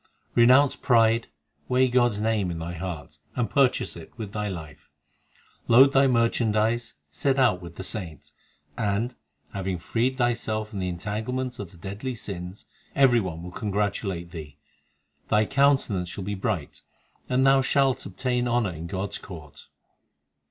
Renounce pride, weigh God s name in thy heart, And purchase it with thy life. Load thy merchandise, set out with the saints, And, having freed thyself from the entanglements of the deadly sins, Every one will congratulate thee ; Thy countenance shall be bright, and thou shalt obtain honour in God s court.